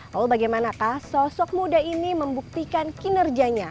lalu bagaimanakah sosok muda ini membuktikan kinerjanya